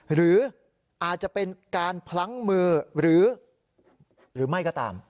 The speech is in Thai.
หรืออาจจะเป็นการพลั้งมือหรือไม่ก็ตาม